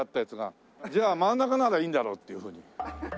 じゃあ真ん中ならいいんだろうっていうふうに。